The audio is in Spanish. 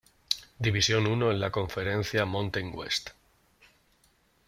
Division I en la conferencia Mountain West.